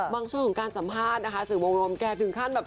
ช่วงของการสัมภาษณ์นะคะสื่อวงลมแกถึงขั้นแบบ